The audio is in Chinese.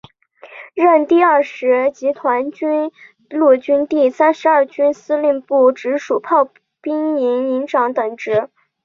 任第二十集团军陆军第三十二军司令部直属炮兵营营长等职。